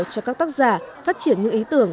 cho các tác giả phát triển những ý tưởng